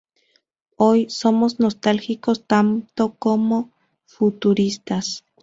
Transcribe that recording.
Hoy, somos nostálgicos tanto como futuristas.